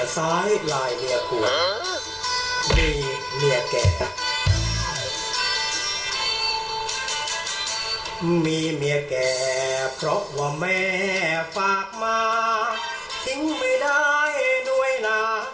ทิ้งไม่ได้ด้วยน่ะ